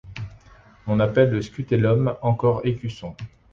On appelle le scutellum encore écusson.